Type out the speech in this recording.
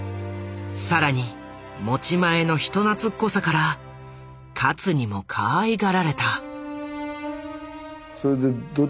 更に持ち前の人懐っこさから勝にもかわいがられた。